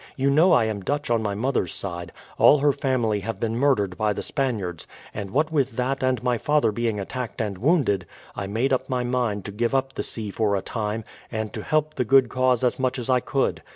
"You know I am Dutch on my mother's side. All her family have been murdered by the Spaniards, and what with that and my father being attacked and wounded, I made up my mind to give up the sea for a time, and to help the good cause as much as I could.